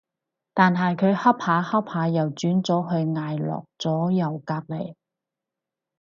但係佢恰下恰下又轉咗去挨落咗右隔離